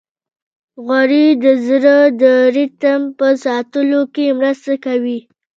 غوړې د زړه د ریتم په ساتلو کې مرسته کوي.